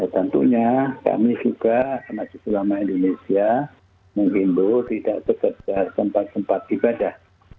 tentunya kami juga selama indonesia mengimbau tidak terdekat tempat tempat ibadah